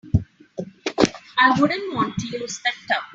I wouldn't want to use that tub.